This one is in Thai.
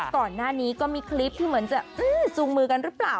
ก่อนหน้านี้ก็มีคลิปที่เหมือนจะซูงมือกันหรือเปล่า